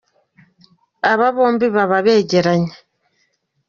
Aba bombi baba begeranye.